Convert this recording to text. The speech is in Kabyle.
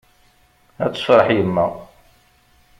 Ad tefreḥ yemma!